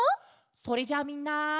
それじゃあみんな。